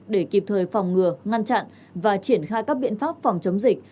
để kịp thời phòng ngừa ngăn chặn và triển khai các biện pháp phòng chống dịch